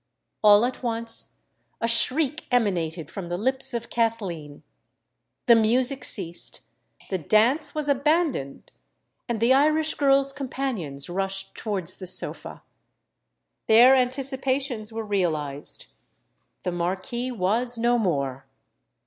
All at once a shriek emanated from the lips of Kathleen: the music ceased—the dance was abandoned—and the Irish girl's companions rushed towards the sofa. Their anticipations were realised: the Marquis was no more!